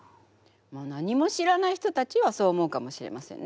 何も知らない人たちはそう思うかもしれませんね。